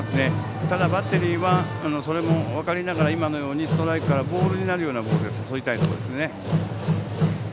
ただ、バッテリーはそれも分かりながらストライクからボールになるボールで誘いたいところですね。